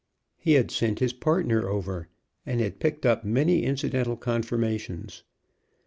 He had sent his partner over, and had picked up many incidental confirmations.